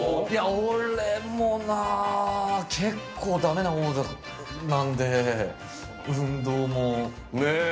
俺も、結構だめなほうなんで運動も。